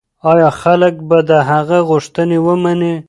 ایا خلک به د هغه غوښتنې ومني؟